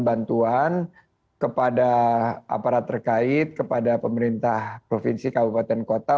bantuan kepada aparat terkait kepada pemerintah provinsi kabupaten kota